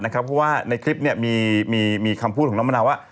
เพราะว่าในคลิปมีคำพูดของน้องมะนาวว่า